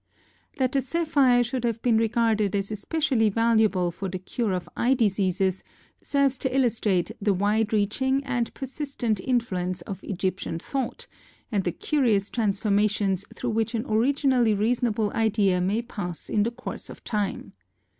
That the sapphire should have been regarded as especially valuable for the cure of eye diseases serves to illustrate the wide reaching and persistent influence of Egyptian thought, and the curious transformations through which an originally reasonable idea may pass in the course of time.